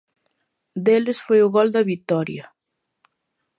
Deles foi o gol da vitoria.